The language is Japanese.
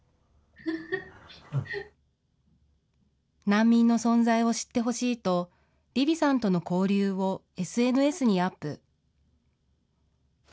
難民の存在を知ってほしいと、リヴィさんとの交流をＳＮＳにアップ。